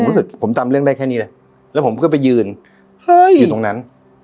รู้สึกผมจำเรื่องได้แค่นี้เลยแล้วผมก็ไปยืนเฮ้ยอยู่ตรงนั้น